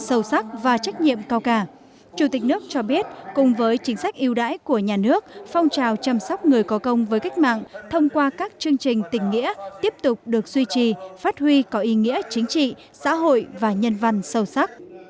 sâu sắc và trách nhiệm cao cả chủ tịch nước cho biết cùng với chính sách yêu đãi của nhà nước phong trào chăm sóc người có công với cách mạng thông qua các chương trình tình nghĩa tiếp tục được duy trì phát huy có ý nghĩa chính trị xã hội và nhân văn sâu sắc